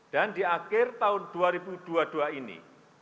dan di akhir tahun dua ribu dua puluh dua ini